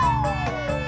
aku mau berbual